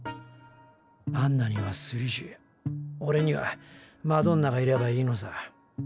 アンナにはスリジエオレにはマドンナがいればいいのさ。